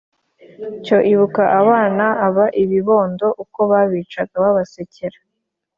cyo ibuka abana aba b’ibibondo uko babicaga babasekera